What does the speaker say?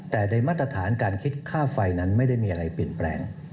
แต่ในมาตรฐานการคิดค่าไฟนั้นไม่ได้มีอะไรเปลี่ยนแปลง